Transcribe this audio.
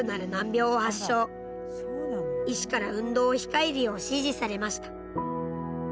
医師から運動を控えるよう指示されました。